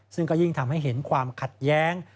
ซึ่งก็ยิ่งทำให้เห็นความขัดแย้ง